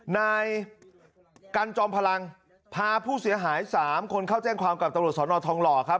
นายกันจอมพลังพาผู้เสียหาย๓คนเข้าแจ้งความกับตำรวจสนทองหล่อครับ